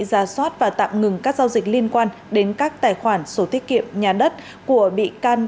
giả soát và tạm ngừng các giao dịch liên quan đến các tài khoản số thiết kiệm nhà đất của bị can